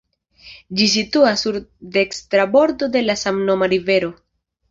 Ĝi situas sur dekstra bordo de la samnoma rivero.